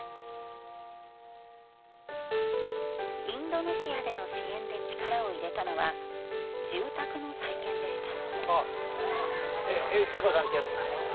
インドネシアでの支援で力を入れたのは住宅の再建でした。